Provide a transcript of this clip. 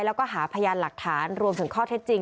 แล้วก็หาพยานหลักฐานรวมถึงข้อเท็จจริง